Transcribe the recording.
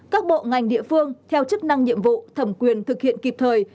các bộ ngành địa phương theo chức năng nhiệm vụ thẩm quyền thực hiện kịp thời